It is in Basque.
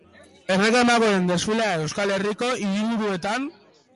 Errege magoen desfilea Euskal Herriko hiriburuetan.